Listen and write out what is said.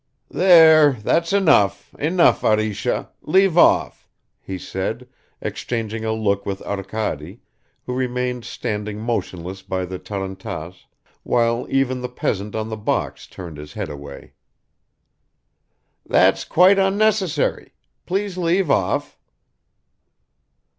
"There, that's enough, enough, Arisha! leave off!" he said, exchanging a look with Arkady, who remained standing motionless by the tarantass, while even the peasant on the box turned his head away. "That's quite unnecessary! Please leave off."